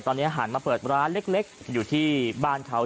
ตอนนี้หันมาเปิดร้านเล็กอยู่ที่บ้านเขา